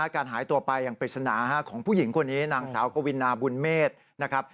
การหายตัวไปอย่างปริศนาของผู้หญิงคนนี้นางสาวกวินาบุญเมษนะครับ